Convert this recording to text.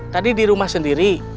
tadi di rumah sendiri